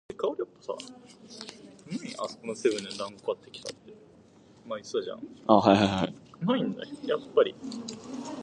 His grandfather was a shaman.